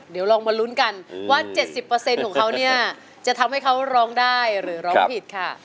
เดี๋ยวลองมาลุ้นกันว่า๗๐ของเขาเนี่ยจะทำให้เขาร้องได้หรือร้องผิดค่ะ